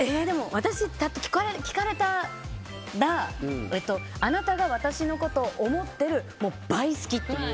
私聞かれたらあなたが私のことを思ってる倍好きっていう。